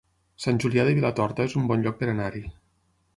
Sant Julià de Vilatorta es un bon lloc per anar-hi